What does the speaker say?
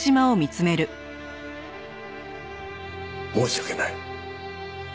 申し訳ない。